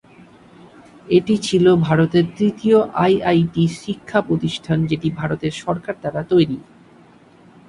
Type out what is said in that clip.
এটি ছিলো ভারতের তৃতীয় আইআইটি শিক্ষা-প্রতিষ্ঠান যেটি ভারতের সরকার দ্বারা তৈরি।